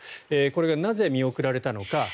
これがなぜ見送られたのか。